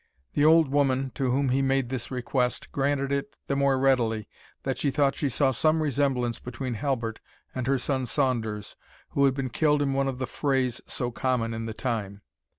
The old woman, to whom he made this request, granted it the more readily, that she thought she saw some resemblance between Halbert and her son Saunders, who had been killed in one of the frays so common in the time.